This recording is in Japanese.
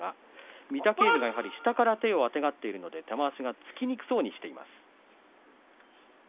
御嶽海が、下から手をあてがっているので、玉鷲が突きにくそうにしています。